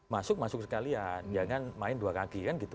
masuk masuk sekalian jangan main dua kaki